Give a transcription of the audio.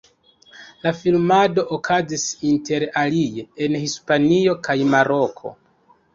La filmado okazis inter alie en Hispanio kaj Maroko.